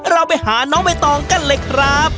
เราไปหาน้องใบตองกันเลยครับ